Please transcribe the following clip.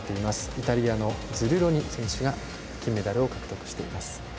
イタリアのズルロニ選手が金メダルを獲得しています。